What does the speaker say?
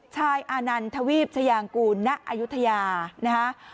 อานันทวีปชายางกูลณอายุทยานะคะ